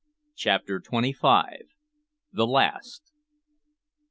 CHAPTER TWENTY FIVE. THE LAST.